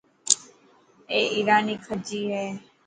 اي ايراني کجي هي.